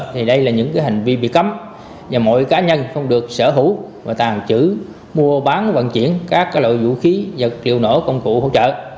thì đây là những hành vi bị cấm và mọi cá nhân không được sở hữu và tàn trữ mua bán và vận chuyển các loại vũ khí và tiêu nổ công cụ hỗ trợ